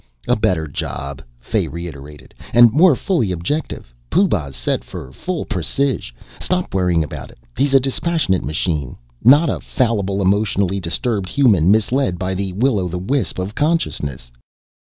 "A better job," Fay reiterated, "and more fully objective. Pooh Bah's set for full precis. Stop worrying about it. He's a dispassionate machine, not a fallible, emotionally disturbed human misled by the will o' the wisp of consciousness.